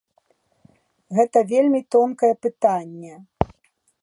Гэта вельмі тонкае пытанне.